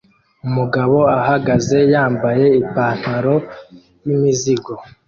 Umugabo ahagaze yambaye ipantaro yimizigo